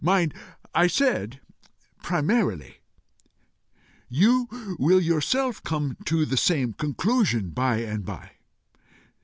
"Mind I said PRIMARILY. You will yourself come to the same conclusion by and by.